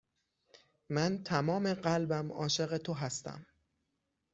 من تمام قلبم عاشق تو هستم.